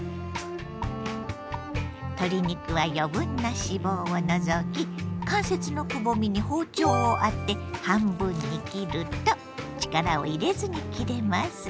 鶏肉は余分な脂肪を除き関節のくぼみに包丁を当て半分に切ると力を入れずに切れます。